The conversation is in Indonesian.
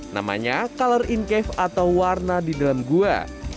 namanya color in cave atau warna di dalam gua